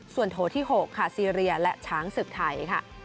ส่วนโถที่๖ค่ะซีเรียและช้างศึกไทยค่ะ